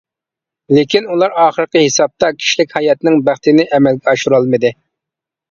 لېكىن، ئۇلار ئاخىرقى ھېسابتا كىشىلىك ھاياتنىڭ بەختىنى ئەمەلگە ئاشۇرالمىدى.